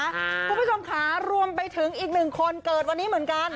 คุณผู้ชมค่ะรวมไปถึงอีกหนึ่งคนเกิดวันนี้เหมือนกัน